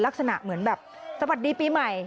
ลักษณะเหมือนแบบสวัสดีปีใหม่